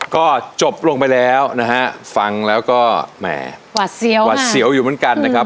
ก็จบลงไปแล้วนะฮะฟังแล้วก็แหมหวัดเสียวหวัดเสียวอยู่เหมือนกันนะครับ